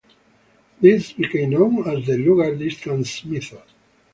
This became known as the lunar distance method.